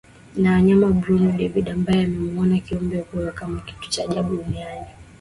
ya wanyama Bruno David ambaye anamuona kiumbe huyo kama kitu cha ajabu duniani